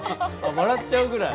笑っちゃうぐらい？